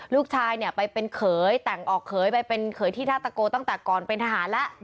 ลูกชายเนี่ยไปเป็นเขยแต่งออกเขยไปเป็นเขยที่ท่าตะโกตั้งแต่ก่อนเป็นทหารแล้ว